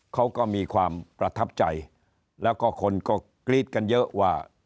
เขาก็มีความประทับใจแล้วก็คนก็กรี๊ดกันเยอะว่า